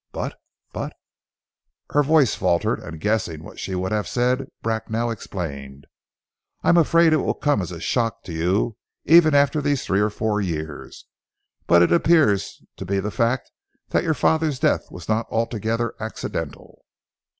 "But but " Her voice faltered, and guessing what she would have said, Bracknell explained. "I am afraid it will come as a shock to you even after these three or four years, but it appears to be the fact that your father's death was not altogether accidental.